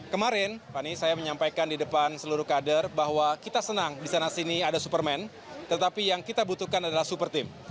kemarin saya menyampaikan di depan seluruh kader bahwa kita senang di sana sini ada superman tetapi yang kita butuhkan adalah super team